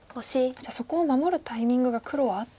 じゃあそこを守るタイミングが黒はあった。